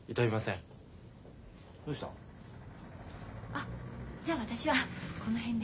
あじゃあ私はこの辺で。